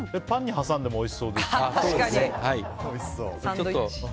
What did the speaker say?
パンに挟んでもおいしそうです。